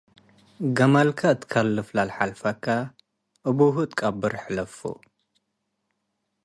ገመልከ እት ትከልፍ ለሐልፈከ አቡሁ እት ቀብር ሕለፉ።